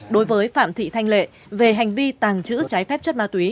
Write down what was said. đối với phạm thị thanh lệ về hành vi tàng trữ trái phép chất ma túy